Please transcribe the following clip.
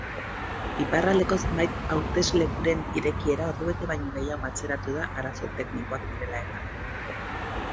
Iparraldeko zenbait hauteslekuren irekiera ordubete baino gehiago atzeratu da arazo teknikoak zirela eta.